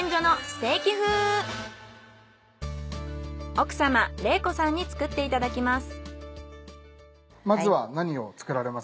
奥様礼子さんに作っていただきます。